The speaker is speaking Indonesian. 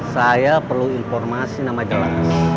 saya perlu informasi nama jelas